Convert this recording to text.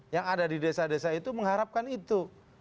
yang ada di desa desa itu mengharapkan itu